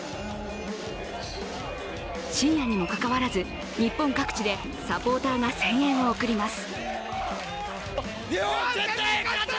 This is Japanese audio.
深夜にもかかわらず、日本各地でサポーターが声援を送ります。